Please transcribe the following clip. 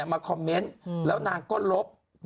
มาคอมเมนต์แล้วนางก็ลบ